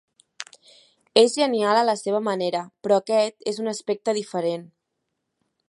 És genial a la seva manera, però aquest és un aspecte diferent.